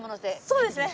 そうですね。